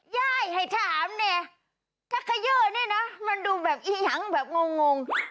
ย่ายให้ถามเนี่ยถ้าเขย่อนี่นะมันดูแบบอีหังแบบงง